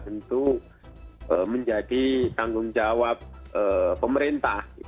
tentu menjadi tanggung jawab pemerintah